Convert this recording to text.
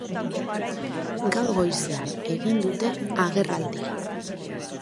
Gaur goizean egin dute agerraldia.